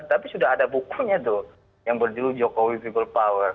tapi sudah ada bukunya tuh yang berjuluk jokowi people power